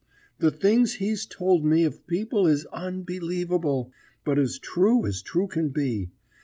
The things he's told me of people is unbelievable, but as true as true can be.